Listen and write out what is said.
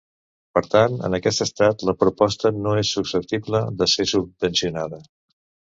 Per tant, en aquest estat la proposta no és susceptible de ser subvencionada.